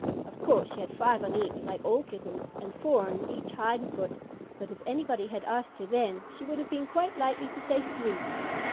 Of course, she had five on each, like all Kittens, and four on each hind foot, but if anybody had asked her then, she would have been quite likely to say "three."